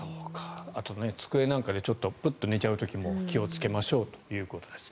あと、机なんかでプッと寝ちゃう時も気をつけましょうということです。